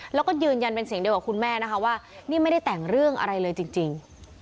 แล้วก็ยืนยันเป็นเสียงเดียวกับคุณแม่นะคะว่านี่ไม่ได้แต่งเรื่องอะไรเลยจริง